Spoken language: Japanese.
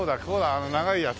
あの長いやつね。